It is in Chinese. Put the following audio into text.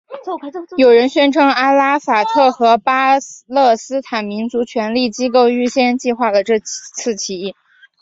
有人宣称阿拉法特和巴勒斯坦民族权力机构预先计划了这次起义。